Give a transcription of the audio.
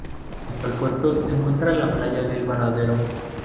Junto al puerto se encuentra la Playa del Varadero.